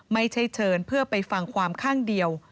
ไม่ใช่เชิญเพื่อไปฟังความข้างเดียว